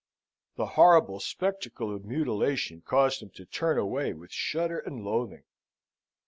The horrible spectacle of mutilation caused him to turn away with shudder and loathing.